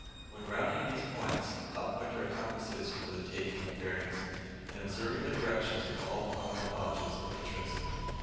When rounding these points, up went our compasses for the taking of bearings, and observing the directions of all prominent objects of interest.